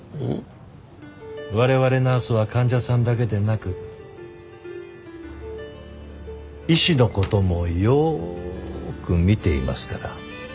我々ナースは患者さんだけでなく医師の事もよーく見ていますから。